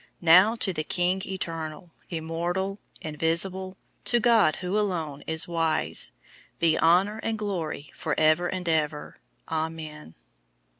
001:017 Now to the King eternal, immortal, invisible, to God who alone is wise, be honor and glory forever and ever. Amen.